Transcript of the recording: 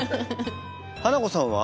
ハナコさんは？